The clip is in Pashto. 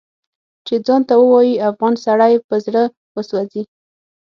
چې ځان ته ووايي افغان سړی په زړه وسوځي